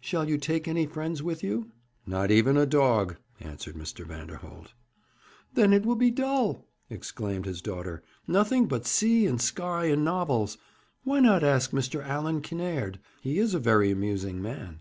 'Shall you take any friends with you?' 'Not even a dog,' answered Mr. Vanderholt. 'Then it will be dull!' exclaimed his daughter. 'Nothing but sea and sky and novels. Why not ask Mr. Allan Kinnaird? He is a very amusing man.'